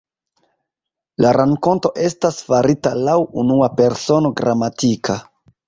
La rakonto estas farita laŭ unua persono gramatika.